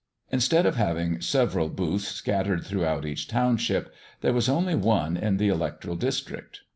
Instead of having several booths scattered throughout each township, there was only one in the electoral district.